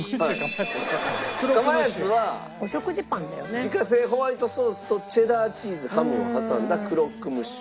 自家製ホワイトソースとチェダーチーズハムを挟んだクロックムッシュ。